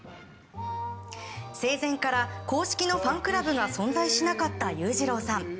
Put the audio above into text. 生前から、公式のファンクラブが存在しなかった裕次郎さん。